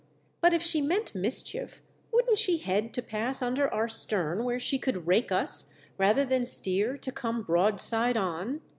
" But if she meant mischief wouldn't she head to pass under our stern, where she could rake us, rather than steer to come broadside on